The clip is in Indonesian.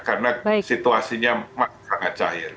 karena situasinya masih sangat cahir